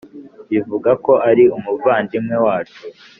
rivuga ko ari umuvandimwe wacu